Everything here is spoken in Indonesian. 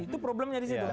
itu problemnya disitu